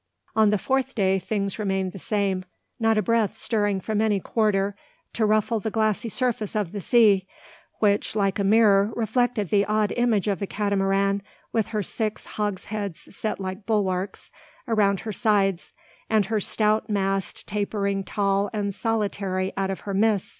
On the fourth day things remained the same, not a breath stirring from any quarter to ruffle the glassy surface of the sea; which, like a mirror, reflected the odd image of the Catamaran, with her six hogsheads set like bulwarks around her sides, and her stout mast tapering tall and solitary out of her midst.